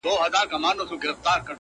چي په زړه کي څه در تېر نه سي آسمانه!